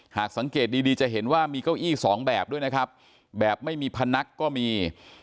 หากสังเกตดีจะเห็นว่ามีเก้าอี้สองแบบด้วยนะครับแบบไม่มีพนักก็มี